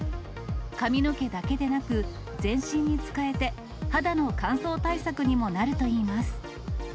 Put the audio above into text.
髪の毛だけでなく、全身に使えて、肌の乾燥対策にもなるといいます。